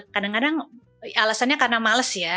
kadang kadang alasannya karena males ya